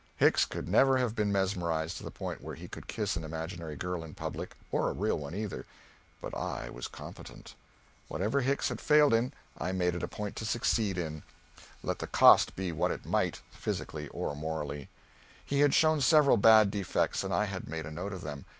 Hicks could never have been mesmerized to the point where he could kiss an imaginary girl in public, or a real one either, but I was competent. Whatever Hicks had failed in, I made it a point to succeed in, let the cost be what it might, physically or morally. He had shown several bad defects, and I had made a note of them.